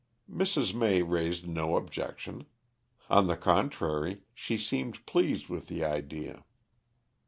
Mrs. May raised no objection; on the contrary, she seemed pleased with the idea.